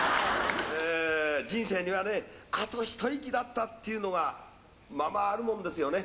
人生にはあと一息だったということが、ままあるものですよね。